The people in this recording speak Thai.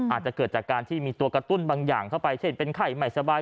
อาจจะเกิดจากการที่มีตัวกระตุ้นบางอย่างเข้าไปเช่นเป็นไข้ไม่สบาย